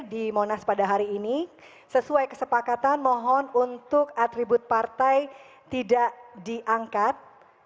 di monas pada hari ini sesuai kesepakatan mohon untuk atribut partai tidak diangkat